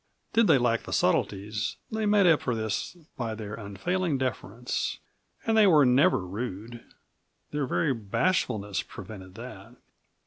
Did they lack the subtleties, they made up for this by their unfailing deference. And they were never rude; their very bashfulness prevented that.